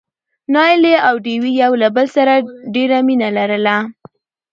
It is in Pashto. نايلې او ډوېوې يو له بل سره ډېره مينه لرله.